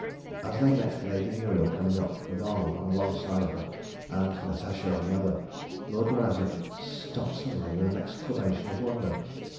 As they met Lady Muriel coming up with Arnold on one side of her and Natasha on the other, Lord Marazion stopped suddenly with an exclamation of wonder.